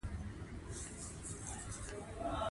ازادي راډیو د عدالت په اړه د پوهانو څېړنې تشریح کړې.